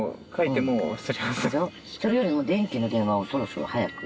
それよりも電気の電話をそろそろ早く。